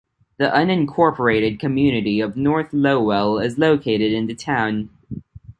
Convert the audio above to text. The unincorporated community of North Lowell is located in the town.